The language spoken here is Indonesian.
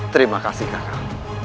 terima kasih kakak